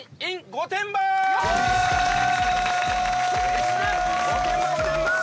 御殿場御殿場！